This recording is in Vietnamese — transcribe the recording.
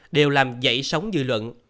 đều làm dậy sóng dư luận